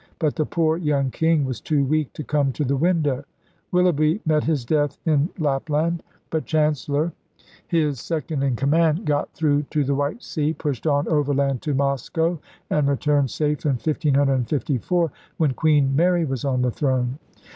But the poor young king was too weak to come to the window. Willoughby met his death in Lap land. But Chancellor, his second in command. KING HENRY VIII 81 got through to the White Sea, pushed on overland to Moscow, and returned safe in 1554, when Queen Mary was on the throne.